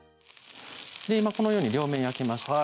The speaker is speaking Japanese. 今このように両面焼きました